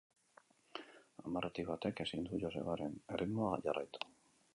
Hamarretik batek ezin du Josebaren erritmoa jarraitu.